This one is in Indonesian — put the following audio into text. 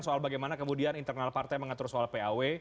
soal bagaimana kemudian internal partai mengatur soal paw